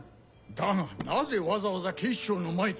だがなぜわざわざ警視庁の前で？